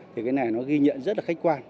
thì cái này nó ghi nhận rất là khách quan